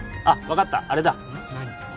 あっ分かったあれだうんっ何？